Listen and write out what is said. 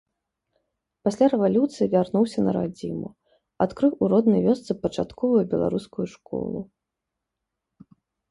Пасля рэвалюцыі вярнуўся на радзіму, адкрыў у роднай вёсцы пачатковую беларускую школу.